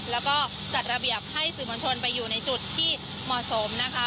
แล้วก็จัดระเบียบให้สื่อมวลชนไปอยู่ในจุดที่เหมาะสมนะคะ